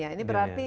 jadi ini berarti